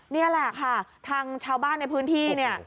นี่แหละค่ะทางชาวบ้านในพื้นที่เนี่ย